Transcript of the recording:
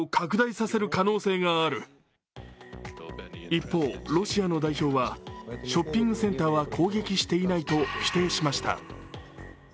一方、ロシアの代表はショッピングセンターは攻撃していないと否定しました。